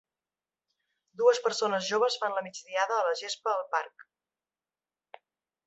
Dues persones joves fan la migdiada a la gespa al parc.